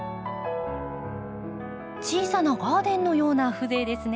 小さなガーデンのような風情ですね。